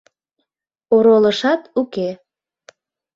Оролышат уке.